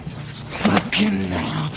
ふざけんなよ。